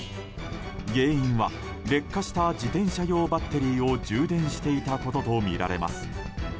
原因は劣化した自転車用バッテリーを充電していたこととみられます。